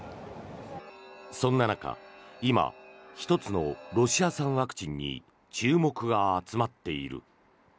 そんな中、今１つのロシア産ワクチンに注目が集まっている。